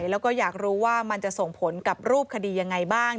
แล้วก็อยากรู้ว่ามันจะส่งผลกับรูปคดียังไงบ้าง